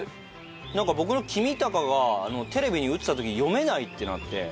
なんか僕の「侯隆」がテレビに映った時に読めないってなって。